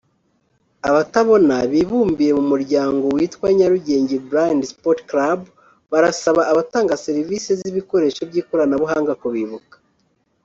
Abatabona bibumbiye mu muryango witwa “Nyarugenge Blind Sports Club” barasaba abatanga serivisi z’ibikoresho by’ikoranabuhanga kubibuka